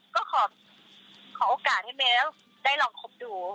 ก็ขอโอกาสให้แมวได้ลองคบดู